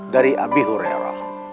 dari abi hurairah